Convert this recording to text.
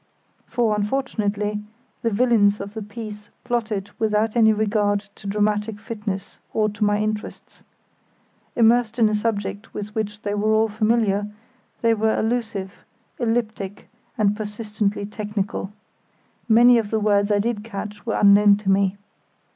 For, unfortunately, the villains of the piece plotted without any regard to dramatic fitness or to my interests. Immersed in a subject with which they were all familiar, they were allusive, elliptic, and persistently technical. Many of the words I did catch were unknown to me.